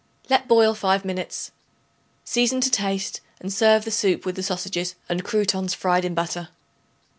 Let boil five minutes. Season to taste and serve the soup with the sausages and croutons fried in butter.